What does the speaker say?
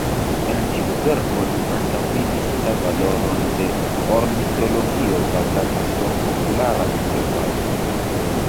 En tiu verko li antaŭvidis la valoron de ornitologio bazata sur populara observado.